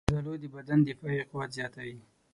زردالو د بدن دفاعي قوت زیاتوي.